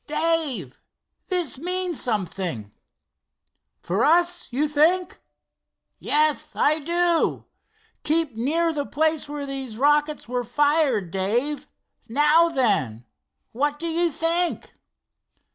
"Dave, this means something." "For us, you think?" "Yes, I do. Keep near the place where these rockets were fired, Dave. Now then, what do you think?"